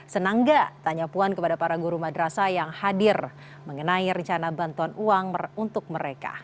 senang gak tanya puan kepada para guru madrasah yang hadir mengenai rencana bantuan uang untuk mereka